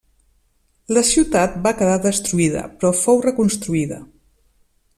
La ciutat va quedar destruïda, però fou reconstruïda.